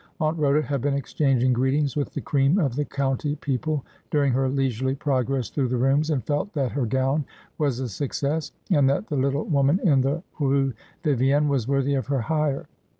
Aunt Rhoda had been exchanging greetings with the cream of the county people during her leisurely progress through the rooms, and felt that her gown was a success, and that the little woman in the Rue Vivienne was worthy of her hire.